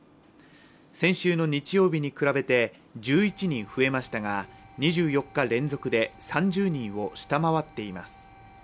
先週の日曜日に比べて１１人増えましたが２４日連続で３０人を下回っています。